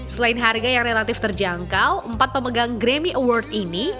selain harga yang relatif terjangkau empat pemegang grammy award ini